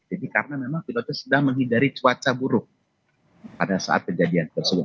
jadi karena memang pilotnya sedang menghindari cuaca buruk pada saat kejadian tersebut